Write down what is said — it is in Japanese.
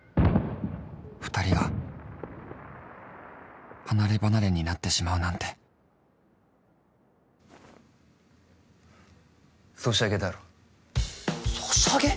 二人が離ればなれになってしまうなんてソシャゲだろソシャゲ？